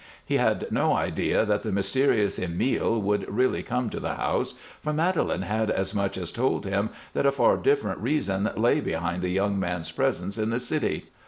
He had no idea that the mysterious Emile would really come to the house, for Madelon had as much as told him that a far different reason lay behind the young man's presence in the city.